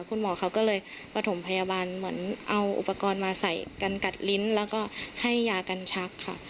คุณหมอเขาก็เลยประถมพยาบาลเหมือนเอาอุปกรณ์มาใส่กันกัดลิ้นแล้วก็ให้ยากันชักค่ะ